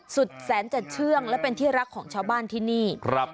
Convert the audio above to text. สุดแสนจะเชื่องและเป็นที่รักของชาวบ้านที่นี่